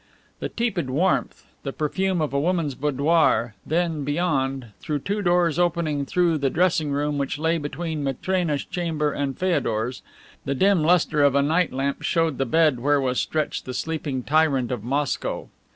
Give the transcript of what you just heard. The tepid warmth, the perfume of a woman's boudoir, then, beyond, through two doors opening upon the dressing room which lay between Matrena's chamber and Feodor's, the dim luster of a night lamp showed the bed where was stretched the sleeping tyrant of Moscow.